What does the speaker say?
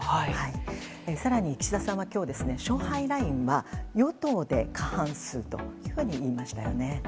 更に、岸田さんは勝敗ラインは与党で過半数と言いましたよね。